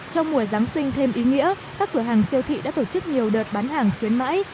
trong mùa giáng sinh thêm ý nghĩa các cửa hàng siêu thị đã tổ chức nhiều đợt bán hàng khuyến mãi